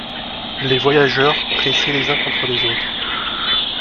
Les voyageurs, pressés les uns contre les autres...